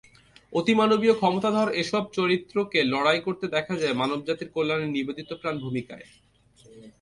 অতিমানবীয় ক্ষমতাধর এসব চরিত্রকে লড়াই করতে দেখা যায় মানবজাতির কল্যাণে নিবেদিতপ্রাণ ভূমিকায়।